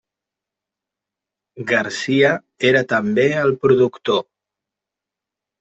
Garcia era també el productor.